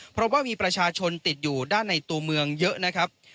เพราะว่ามีประชาชนติดอยู่ด้านในตัวเมืองเยอะนะครับ